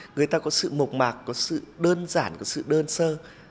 người ta có sự mộc mạc có sự đơn giản có sự đơn sơ